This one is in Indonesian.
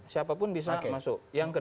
siapa pun bisa masuk